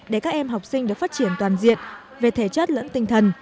để các em học sinh được phát triển toàn diện về thể chất lẫn tinh thần